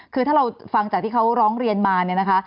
คือถ้าเราฟังจากที่เขาร้องเรียนมา